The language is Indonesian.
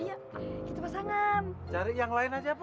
ya itu pasangan cari yang lain aja bu